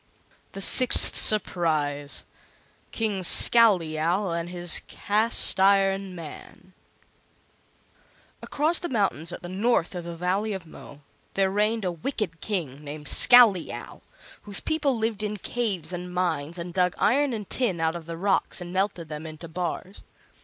The Sixth Surprise KING SCOWLEYOW AND HIS CAST IRON MAN Across the mountains at the north of the Valley of Mo there reigned a wicked King named Scowleyow, whose people lived in caves and mines and dug iron and tin out of the rocks and melted them into bars.